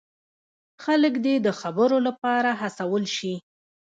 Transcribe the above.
خلک دې د خبرو لپاره هڅول شي.